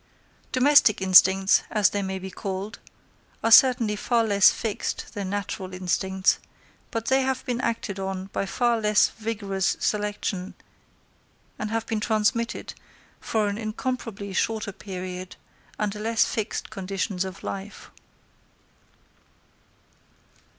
Domestic instincts, as they may be called, are certainly far less fixed than natural instincts; but they have been acted on by far less rigorous selection, and have been transmitted for an incomparably shorter period, under less fixed conditions of life.